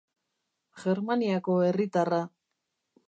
Germaniako herritarra.